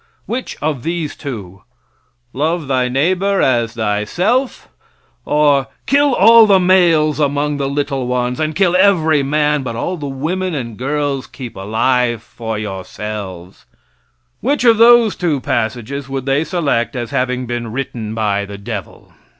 Which of these two, "Love thy neighbor as thyself," or "Kill all the males among the little ones, and kill every man, but all the women and girls keep alive for yourselves" which of those two passages would they select as having been written by the devil?